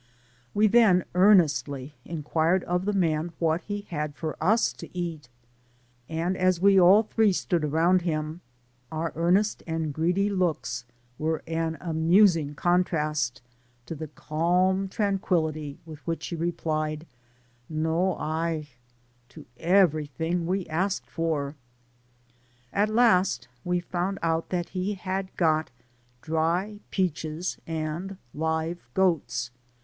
We then earnestly inquired of the man what he had for Us to eat? And as we all three stood round him, our earnest looks and greedy faces wer6 an amusing contrast to the calm tranquillity with which he replied " No hay,'' to everything Wtf asked for ; at last we found out that he had got dry peaches and live goats.